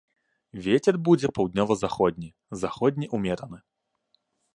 Вецер будзе паўднёва-заходні, заходні ўмераны.